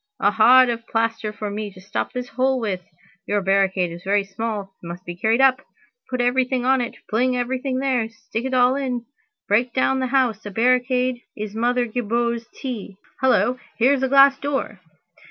A hod of plaster for me to stop this hole with! Your barricade is very small. It must be carried up. Put everything on it, fling everything there, stick it all in. Break down the house. A barricade is Mother Gibou's tea. Hullo, here's a glass door."